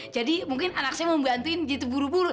jadi mungkin anak saya mau ngebantuin gitu buru buru